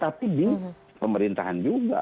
tapi di pemerintahan juga